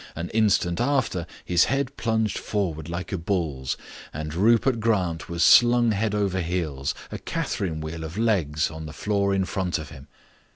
An instant after his head plunged forward like a bull's, and Rupert Grant was slung head over heels, a catherine wheel of legs, on the floor in front of him.